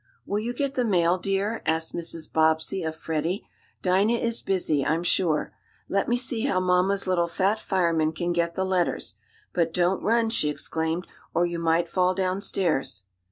"Will you get the mail, dear?" asked Mrs. Bobbsey of Freddie. "Dinah is busy, I'm sure. Let me see how mamma's little fat fireman can get the letters. But don't run!" she exclaimed, "or you might fall downstairs."